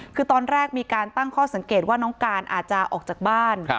คือตอนแรกมีการตั้งข้อสังเกตว่าน้องการอาจจะออกจากบ้าน